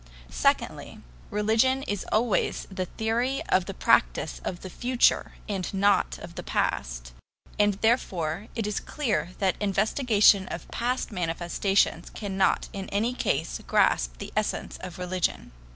Secondly, religion is always the theory of the practice of the future and not of the past, and therefore it is clear that investigation of past manifestations cannot in any case grasp the essence of religion.